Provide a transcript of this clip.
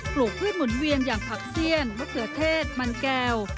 ลูกพืชหุ่นเวียนอย่างผักเสี้ยนมะเขือเทศมันแก้ว